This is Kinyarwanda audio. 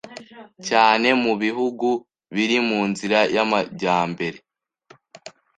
cyane mu bihugu biri mu nzira y'amajyambere